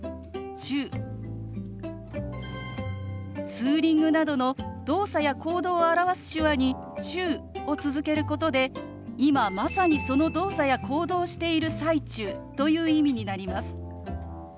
「ツーリング」などの動作や行動を表す手話に「中」を続けることで今まさにその動作や行動をしている最中という意味になります。